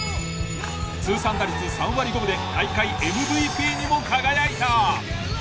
通算打率３割５分で大会ＭＶＰにも輝いた！